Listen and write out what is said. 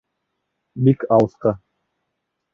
Бик алыҫҡа.